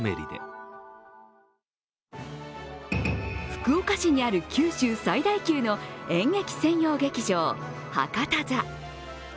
福岡市にある九州最大級の演劇専用劇場、博多座。